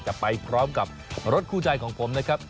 ไปพร้อมกับรถคู่ใจของผมนะครับ